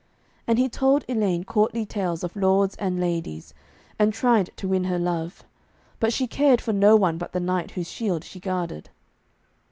And he told Elaine courtly tales of lords and ladies, and tried to win her love, but she cared for no one but the knight whose shield she guarded.